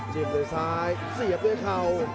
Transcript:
ด้วยซ้ายเสียบด้วยเข่า